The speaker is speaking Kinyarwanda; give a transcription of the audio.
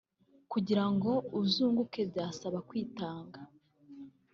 Kugira ngo uzunguke byasabaga kwitanga